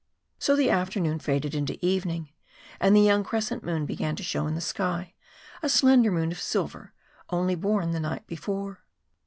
So the afternoon faded into evening, and the young crescent moon began to show in the sky a slender moon of silver, only born the night before.